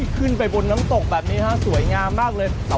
ขึ้นไปบนน้ำตกแบบนี้ฮะสวยงามมากเลย